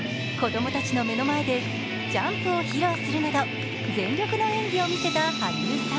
子供たちの目の前でジャンプを披露するなど全力の演技を見せた羽生さん。